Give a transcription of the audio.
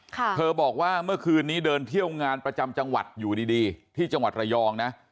เธอบอกว่าเมื่อคืนนี้เดินเที่ยวงานประจำจังหวัดอยู่ดีดีที่จังหวัดระยองนะ